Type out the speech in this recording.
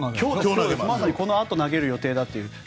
このあと投げる予定だという。